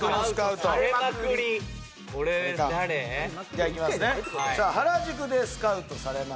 じゃあいきますねさあ